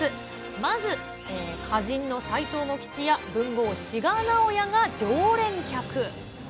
まず、歌人の斎藤茂吉や、文豪、志賀直哉が常連客。